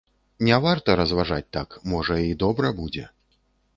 Не варта разважаць так, можа, і добра будзе.